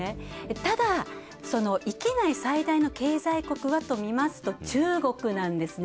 ただ、その域内最大の経済国はとみますと中国なんですね。